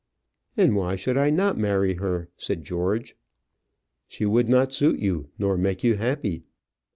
"And why should I not marry her?" said George. "She would not suit you, nor make you happy."